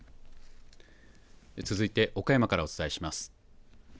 続いて岡山からお伝えします。